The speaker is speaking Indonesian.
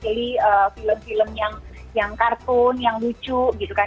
jadi film film yang kartun yang lucu gitu kan